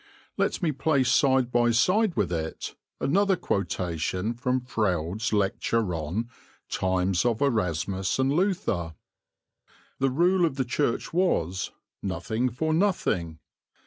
Let me place side by side with it another quotation from Froude's lecture on "Times of Erasmus and Luther." "The rule of the Church was, nothing for nothing.